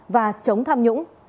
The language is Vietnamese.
và chống tham nhũng